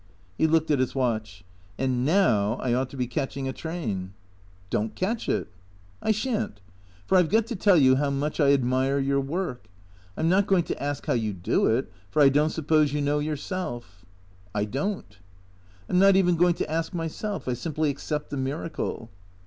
He looked at his watch. " And now I ought to be catch ing a train." " Don't catch it." " I shan't. For I 've got to tell you how much I admire your work. I 'm not going to ask how you do it, for I don't suppose you know yourself." '' I don't." " I 'm not even going to ask myself. I simply accept the miracle."